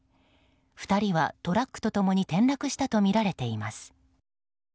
２人はトラックと共に転落したとみられています。